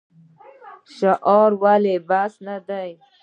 شعار ولې بس نه دی؟